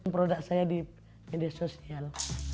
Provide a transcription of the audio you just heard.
produk saya di media sosial